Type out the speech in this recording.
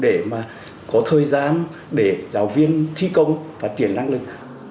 để mà có thời gian để giáo viên thi công và tiền năng lực